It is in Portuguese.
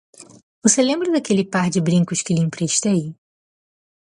Você lembra daquele par de brincos que lhe emprestei?